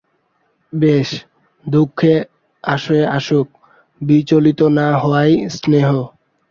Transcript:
বেশ, দুঃখ আসে আসুক, বিচলিত না হওয়াই শ্রেয়।